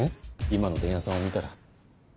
今の伝弥さんを見たら。